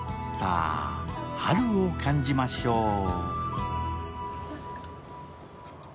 さあ、春を感じましょう。